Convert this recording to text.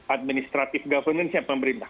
administratif governance nya pemerintah